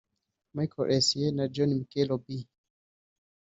Michael Essien na John Mikel Obi